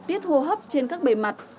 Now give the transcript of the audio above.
tiết hô hấp trên các bề mặt